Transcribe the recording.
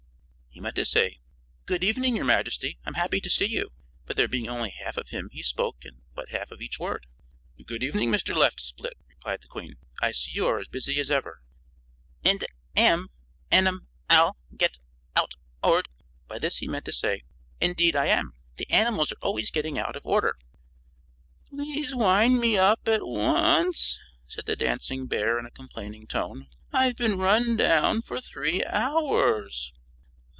He meant to say: "Good evening, your Majesty, I'm happy to see you," but there being only half of him he spoke but half of each word. "Good evening, Mr. Left Split," replied the Queen. "I see you are as busy as ever." "Ind am. Anim al get out ord ." By this he meant to say: "Indeed I am. The animals are always getting out of order." "Please wind me up at once," said the dancing bear, in a complaining tone; "I've been run down for three hours."